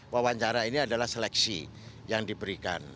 wawancara ini adalah seleksi yang diberikan